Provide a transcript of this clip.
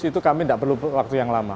itu kami tidak perlu waktu yang lama